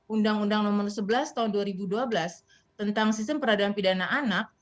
undang undang nomor sebelas tahun dua ribu dua belas tentang sistem peradilan pidana anak